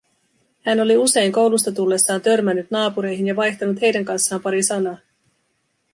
Hän oli usein koulusta tullessaan törmännyt naapureihin ja vaihtanut heidän kanssaan pari sanaa.